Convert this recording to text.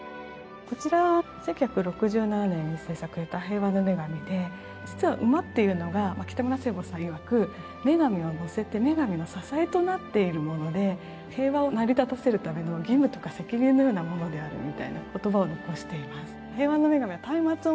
こちら１９６７年に制作した平和の女神で実は馬っていうのが北村西望さんいわく女神を乗せて女神の支えとなっているもので平和を成り立たせるための義務とか責任のようなものであるみたいな言葉を残しています。